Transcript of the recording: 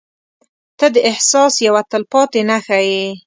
• ته د احساس یوه تلپاتې نښه یې.